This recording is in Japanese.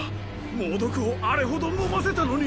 猛毒をあれほど飲ませたのに。